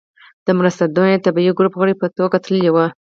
د مرستندويه طبي ګروپ غړي په توګه تللی و.